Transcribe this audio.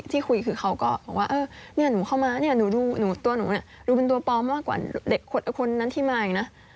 ที่คุยคือเขาก็เออนี่หนูเข้ามาหนูเป็นตัวปลอมมากกว่าคนที่มาเองนะ